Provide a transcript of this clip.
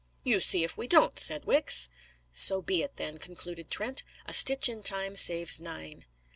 "You see if we don't!" said Wicks. "So be it, then," concluded Trent. "A stitch in time saves nine."